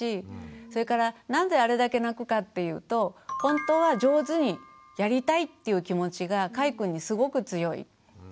それからなんであれだけ泣くかっていうとほんとは上手にやりたいっていう気持ちがかいくんにすごく強い。